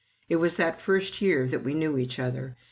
It was that first year that we knew each other.